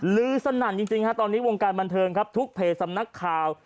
ลือสนั่นจริงฮะตอนนี้วงการบันเทิงครับทุกเพจสำนักข่าว